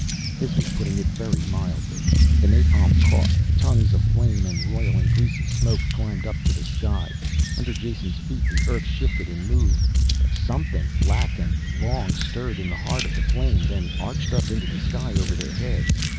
This was putting it very mildly. The napalm caught, tongues of flame and roiling, greasy smoke climbed up to the sky. Under Jason's feet the earth shifted and moved. Something black and long stirred in the heart of the flame, then arched up into the sky over their heads.